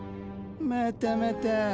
またまたぁ。